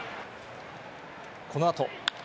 このあと。